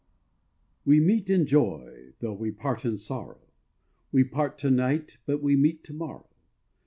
We meet in joy, though we part in sorrow; We part to night, but we meet to morrow.